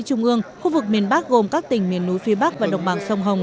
trung ương khu vực miền bắc gồm các tỉnh miền núi phía bắc và đồng bằng sông hồng